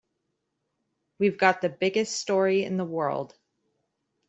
We've got the biggest story in the world.